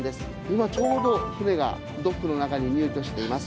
今ちょうど船がドックの中に入居しています。